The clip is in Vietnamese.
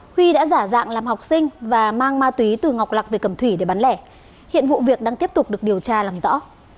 huy đã giả dạng làm học sinh và mang ma túy từ ngọc lạc về cầm thủy để bán lẻ hiện vụ việc đang tiếp tục được điều tra làm rõ